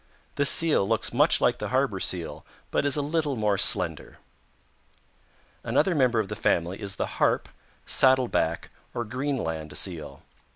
This Seal looks much like the Harbor Seal, but is a little more slender. "Another member of the family is the Harp, Saddle back or Greenland Seal.